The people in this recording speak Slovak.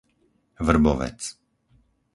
Vrbovec